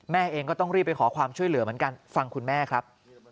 เองก็ต้องรีบไปขอความช่วยเหลือเหมือนกันฟังคุณแม่ครับ